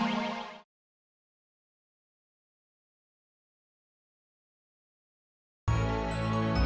ya udah kita mau ke sekolah